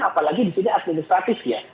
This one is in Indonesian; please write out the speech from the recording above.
apalagi disini administratif ya